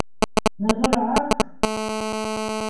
Нығыраҡ.